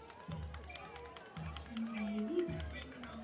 Ameahidi kushughulikia tatizo hilo kwa mtindo wa Rais Magufuli